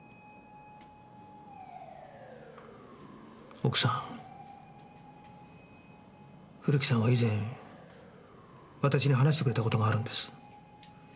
奥さん古木さんは以前私に話してくれた事があるんです。